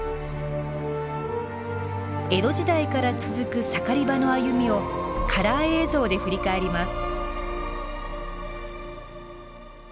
江戸時代から続く盛り場の歩みをカラー映像で振り返ります。